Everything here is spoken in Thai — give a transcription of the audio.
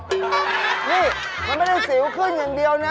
นี่มันไม่ได้สิวขึ้นอย่างเดียวนะ